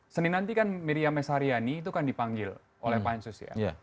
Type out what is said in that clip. senin nanti kan miriam s haryani itu kan dipanggil oleh pansus ya